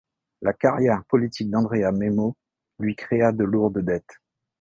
La carrière politique d'Andrea Memmo lui créa de lourdes dettes.